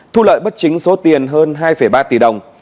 thu lợi bất chính số tiền hơn hai ba tỷ đồng